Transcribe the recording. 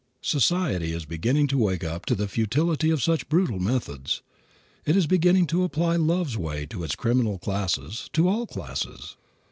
Society is beginning to wake up to the futility of such brutal methods. It is beginning to apply love's way to its criminal classes, to all classes.